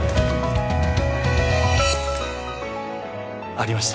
ありました